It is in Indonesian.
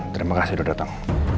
terima kasih udah datang